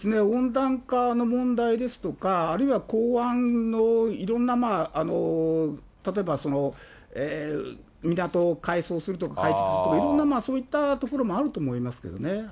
温暖化の問題ですとか、あるいは港湾のいろんな例えば、港を改装するとか、改築するとか、いろんなそういったところもあると思いますけどね。